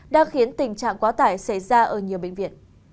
đã khiến tình trạng quá tải xảy ra ở nhiều bệnh viện